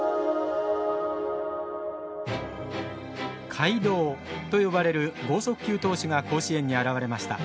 怪童と呼ばれる剛速球投手が甲子園に現れました。